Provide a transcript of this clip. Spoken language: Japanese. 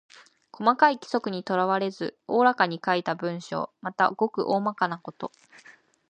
細かい規則にとらわれず大らかに書いた文章。また、ごく大まかなこと。